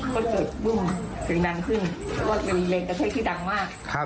ครับเราเคยเล่นกันอยู่เราก็ชนในใยบ้าน